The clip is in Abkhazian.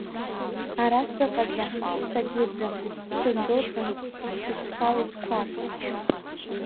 Ара сыҟаӡам, сагьыӡым, сындәылҵын, сыцәхалеит қәак.